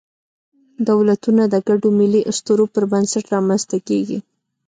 دولتونه د ګډو ملي اسطورو پر بنسټ رامنځ ته کېږي.